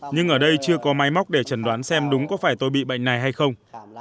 nhưng ở đây chưa có máy móc để chẩn đoán xem đúng có phải tôi bị bệnh này hay không